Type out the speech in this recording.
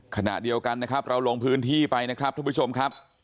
ขณะเดียวกันนะครับเราลงพื้นที่ไปนะครับทุกผู้ชมครับ